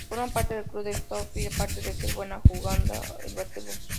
Forma parte del club de Sóftbol, aparte de ser buena jugando el básquetbol.